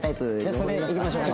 それいきましょうか。